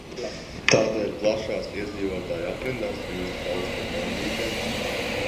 Tādēļ plašās iedzīvotāju aprindās viņus sauca par bandītiem.